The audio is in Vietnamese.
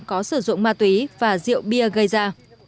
có sử dụng ma túy và rượu bia gây ra